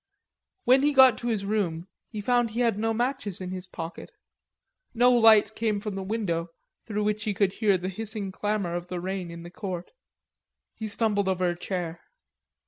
When he got to his room, he found he had no matches in his pocket. No light came from the window through which he could hear the hissing clamor of the rain in the court. He stumbled over a chair.